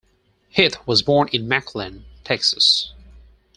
Heath was born in McAllen, Texas.